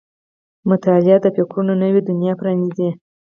• مطالعه د فکرونو نوې دنیا پرانیزي.